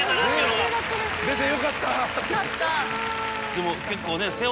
でも結構ね。